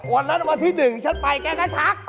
วันนั้นวันที่๑ฉันไปแกก็ซัก